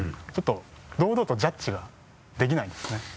ちょっと堂々とジャッジができないんですね。